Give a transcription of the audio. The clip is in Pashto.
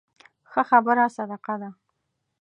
ښه خبره صدقه ده